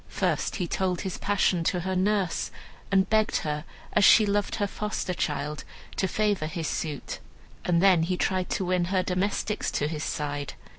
First he told his passion to her nurse, and begged her as she loved her foster child to favor his suit. And then he tried to win her domestics to his side.